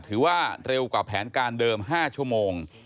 ถือว่าเร็วกว่าแผนการเดิม๕ชั่วโมง